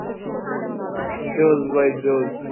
ইমাম তিরমিযী হাদীসটি হাসান বলে অভিমত ব্যক্ত করেছেন।